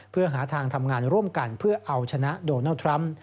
เพื่อหาทางทำงานร่วมกันเพื่อเอาชนะโดนัลด์ทรัมป์